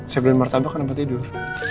saya beli martabak kamu tidur